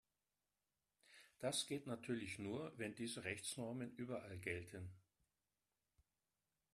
Das geht natürlich nur, wenn diese Rechtsnormen überall gelten.